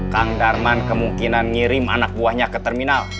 kang darman kemungkinan ngirim anak buahnya ke terminal